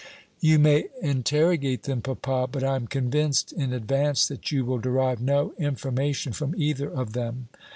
"You may interrogate them, papa, but I am convinced in advance that you will derive no information from either of them.